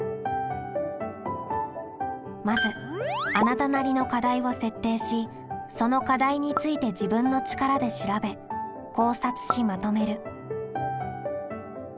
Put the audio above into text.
まずあなたなりの課題を設定しその課題について自分の力で調べ考察しまとめる。